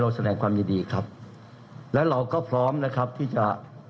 แสดงความยินดีครับและเราก็พร้อมนะครับที่จะ